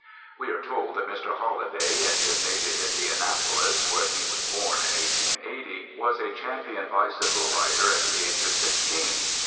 We are told that Mr. Holliday, in his native Indianapolis (where he was born in 1880), was a champion bicycle rider at the age of sixteen.